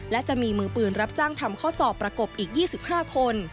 และจะมีมือปืนรับจ้างทำข้อสอบประกบอีก๒๕คน